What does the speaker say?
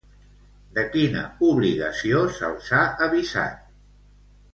De quina obligació se'ls ha avisat?